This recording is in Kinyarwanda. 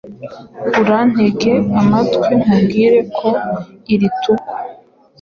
Urantege amatwi nkubwire ko irituku